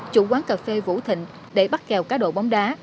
chủ quán cà phê vũ thịnh để bắt kèo cá độ bóng đá